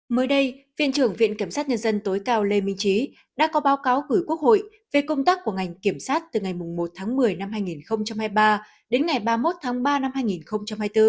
mới đây viện trưởng viện kiểm sát nhân dân tối cao lê minh trí đã có báo cáo gửi quốc hội về công tác của ngành kiểm sát từ ngày một tháng một mươi năm hai nghìn hai mươi ba đến ngày ba mươi một tháng ba năm hai nghìn hai mươi bốn